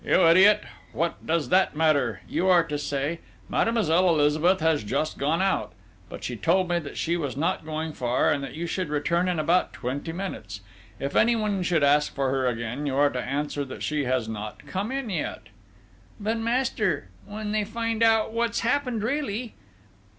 "You idiot! What does that matter?... You are to say: Mademoiselle Elizabeth has just gone out, but she told me that she was not going far, and that she would return in about twenty minutes.... If anyone should ask for her again, you are to answer that she has not come in yet!..." "But ... master ... when they find out what's happened really?..."